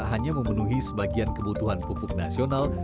tak hanya memenuhi sebagian kebutuhan pupuk nasional